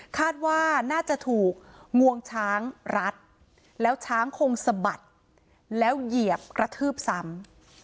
คาดว่าน่าจะถูกงวงช้างรัดแล้วช้างคงสะบัดแล้วเหยียบกระทืบซ้ำ